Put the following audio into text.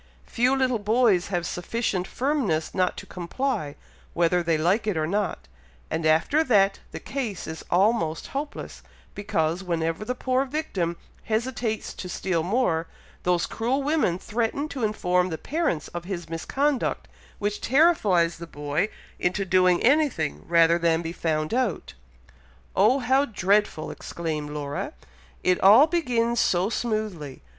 Few little boys have sufficient firmness not to comply, whether they like it or not, and after that the case is almost hopeless, because, whenever the poor victim hesitates to steal more, those cruel women threaten to inform the parents of his misconduct, which terrifies the boy into doing anything rather than be found out." "Oh, how dreadful!" exclaimed Laura. "It all begins so smoothly!